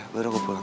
lo udah ke pulang